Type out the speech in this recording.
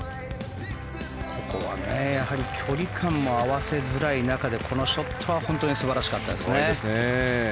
ここはやはり距離感も合わせづらい中でこのショットは本当に素晴らしかったですね。